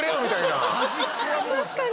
確かに。